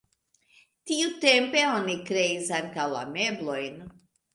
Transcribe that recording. Tiutempe oni kreis ankaŭ la meblojn.